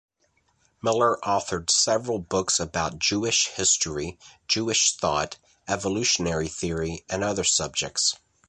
Miller authored several books about Jewish history, Jewish thought, Evolutionary Theory, and other subjects.